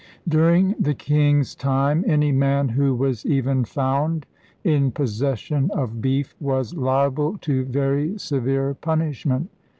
During the king's time, any man who was even found in possession of beef was liable to very severe punishment.